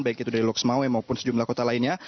baik itu dari loks maui maupun sejumlah kota lainnya